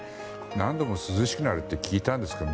何度も涼しくなるって聞いたんですけど